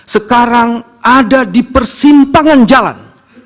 sekarang ada di persimpangan jalan